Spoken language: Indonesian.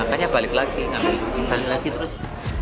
makanya balik lagi ngambil duit balik lagi terus